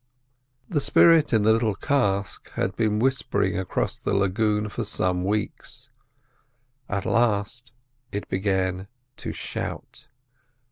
The spirit in the little cask had been whispering across the lagoon for some weeks; at last it began to shout.